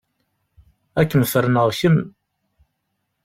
Ad kem-ferneɣ kemm!